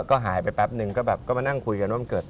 ก็หายไปแป๊บนึงก็แบบก็มานั่งคุยกันว่ามันเกิด